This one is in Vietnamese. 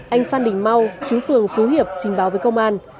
anh phan đình mau chú phường phú hiệp trình báo với công an